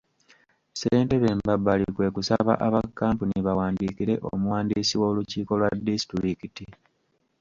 Ssentebe Mbabaali kwe kusaba aba kkampuni bawandikire omuwandiisi w’olukiiko lwa disitulikiti.